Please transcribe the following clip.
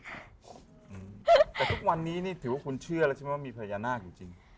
แต่ทุกวันนี้นี่ถือว่าคุณเชื่อแล้วใช่ไหมว่ามีพญานาคอยู่จริง